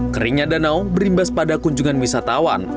keringnya danau berimbas pada kunjungan wisatawan